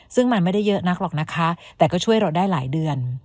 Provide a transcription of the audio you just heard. ซึ่งมันไม่ได้เยอะนักหรอกนะคะแต่ก็ช่วยเราได้หลายเดือน